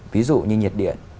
ví dụ như nhiệt điện